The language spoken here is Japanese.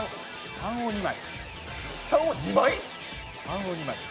３を２枚！？